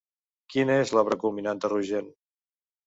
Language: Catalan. Quina és l'obra culminant de Rogent?